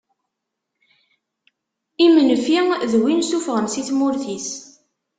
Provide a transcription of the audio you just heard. Imenfi d win sufɣen si tmurt-is.